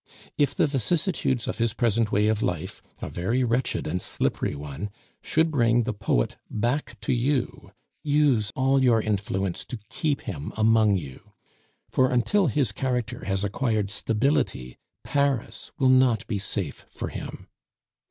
If the vicissitudes of his present way of life (a very wretched and slippery one) should bring the poet back to you, use all your influence to keep him among you; for until his character has acquired stability, Paris will not be safe for him.